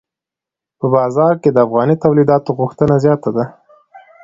په بازار کې د افغاني تولیداتو غوښتنه زیاته ده.